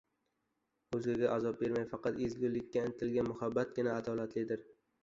O‘zgaga azob bermay, faqat ezgulikka intilgan muhabbatgina adolatlidir.